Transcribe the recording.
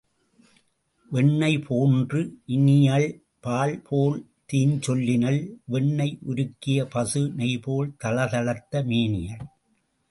வெண்ணெய் போன்று இனியள் பால் போல் தீஞ்சொல்லினள், வெண்ணெய் உருக்கிய பசு நெய்போல் தளதளத்த மேனியள்.